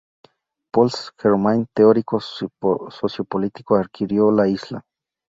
Pol St Germain, un teórico sociopolítico, adquirió la isla.